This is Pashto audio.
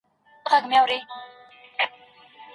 زه له کوچنیانو سره مینه کوم.